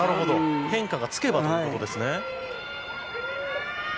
変化がつけばということですね。